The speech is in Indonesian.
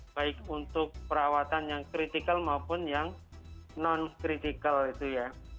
baik untuk perawatan yang kritikal maupun yang non kritikal itu ya